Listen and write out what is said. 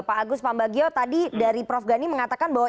pak agus pambagio tadi dari prof gani mengatakan bahwa